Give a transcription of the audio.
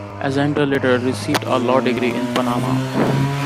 Endara later received a law degree in Panama.